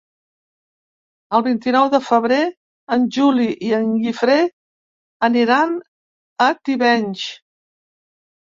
El vint-i-nou de febrer en Juli i en Guifré aniran a Tivenys.